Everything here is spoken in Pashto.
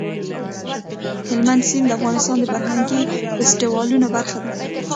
هلمند سیند د افغانستان د فرهنګي فستیوالونو برخه ده.